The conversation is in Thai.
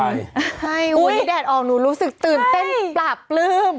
วันนี้แดดออกหนูรู้สึกตื่นเต้นปลาปลื้ม